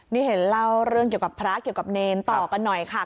นี่เห็นเล่าเรื่องเกี่ยวกับพระเกี่ยวกับเนรต่อกันหน่อยค่ะ